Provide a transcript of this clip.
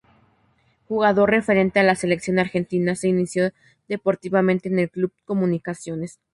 Jugador referente de la selección argentina, se inició deportivamente en el Club Comunicaciones.